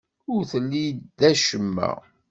Ur telli d acemma.